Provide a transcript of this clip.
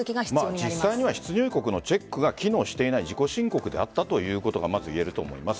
実際には出入国のチェックが機能していない自己申告であったということが言えると思います。